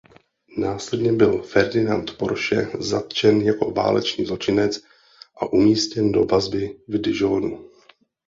Následně byl Ferdinand Porsche zatčen jako válečný zločinec a umístěn do vazby v Dijonu.